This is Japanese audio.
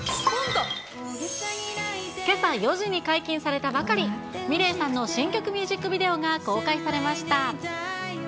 けさ４時に解禁されたばかり、さんの新曲ミュージックビデオが公開されました。